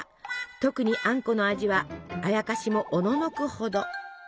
特にあんこの味はあやかしもおののくほど。